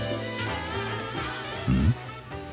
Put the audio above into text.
うん？